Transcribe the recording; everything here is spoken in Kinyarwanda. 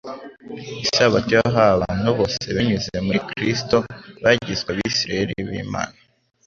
isabato yahawe abantu bose binyuze muri Kristo bagizwe abisiraeli b'Imana.